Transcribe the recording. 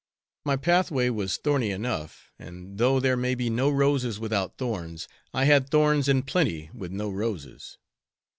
My pathway was thorny enough, and though there may be no roses without thorns, I had thorns in plenty with no roses.